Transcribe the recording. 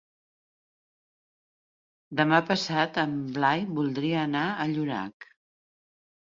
Demà passat en Blai voldria anar a Llorac.